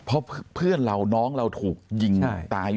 เพราะเพื่อนเราน้องเราถูกยิงตายอยู่ตรงนั้น